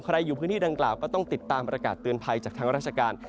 อยู่พื้นที่ดังกล่าวก็ต้องติดตามประกาศเตือนภัยจากทางราชการ